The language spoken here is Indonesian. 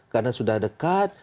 karena sudah dekat